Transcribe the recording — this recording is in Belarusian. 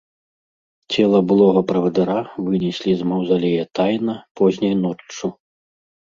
Цела былога правадыра вынеслі з маўзалея тайна, позняй ноччу.